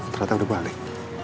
ternyata udah balik